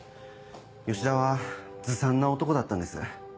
吉田はずさんな男だったんです。